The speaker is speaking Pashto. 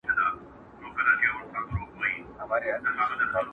لوى خانان او مالداران يې پاچاهان وه،